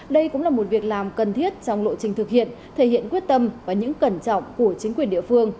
đây cũng là một việc làm cần thiết trong lộ trình thực hiện thể hiện quyết tâm và những cẩn trọng của chính quyền địa phương